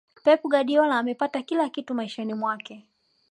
pep guardiola amepata kila kitu maishani mwake